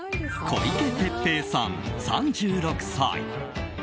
小池徹平さん、３６歳。